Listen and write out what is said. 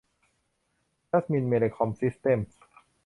จัสมิน เทเลคอม ซิสเต็มส์